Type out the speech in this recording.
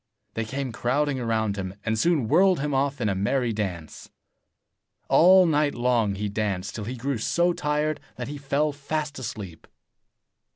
They came crowding round him, and soon whirled him off in a merry dance. All night long he danced, till he grew so tired that he fell fast asleep.